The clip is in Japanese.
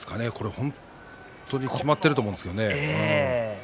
本当にきまっていると思うんですけどね。